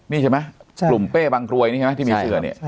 นี่ใช่ไหมกลุ่มเป้บางกรวยนี่ใช่ไหมที่มีเสือเนี่ย